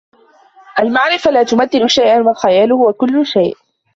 المعرفة لا تمثل شيئا ، و الخيال هو كل شيء.